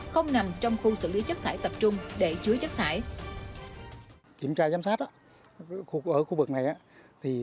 không nằm trong khu xử lý chất thải tập trung để chứa chất thải